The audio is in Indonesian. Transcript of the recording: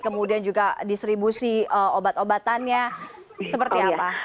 kemudian juga distribusi obat obatannya seperti apa